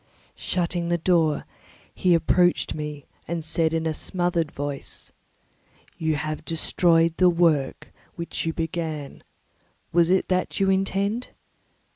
Shutting the door, he approached me and said in a smothered voice, "You have destroyed the work which you began; what is it that you intend?